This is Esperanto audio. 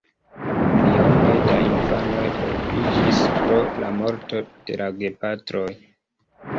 Milionoj da infanoj orfiĝis pro la morto de la gepatroj.